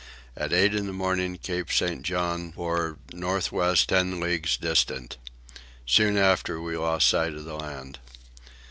At eight in the morning Cape St. John bore north west ten leagues distant. Soon after we lost sight of the land.